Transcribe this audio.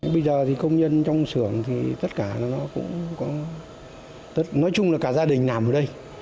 bây giờ thì công nhân trong xưởng thì tất cả nó cũng nói chung là cả gia đình nằm ở đây